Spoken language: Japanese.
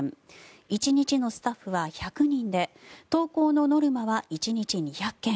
１日のスタッフは１００人で投稿のノルマは１日に２００件。